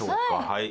はい！